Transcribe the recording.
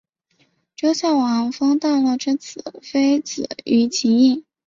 周孝王封大骆之子非子于秦邑。